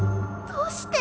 どうして！？